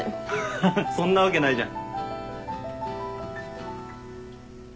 ハハッそんなわけないじゃん。